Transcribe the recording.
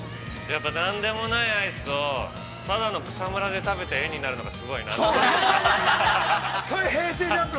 ◆何でもないアイスをただの草むらで食べて絵になるのが、すごいね。